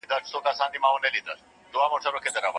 لښتې په خپلو شنه سترګو کې د دښتې د نویو ګلانو رنګ ولید.